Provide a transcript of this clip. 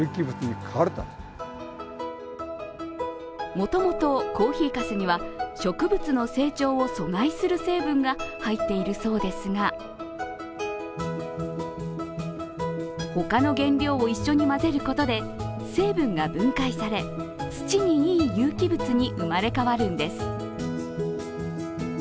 もともとコーヒーかすには植物の成長を阻害する成分が入っているそうですが、他の原料を一緒に混ぜることで成分が分解され土にいい有機物に生まれ変わるんです。